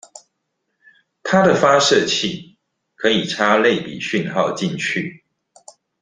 它的發射器可以插類比訊號進去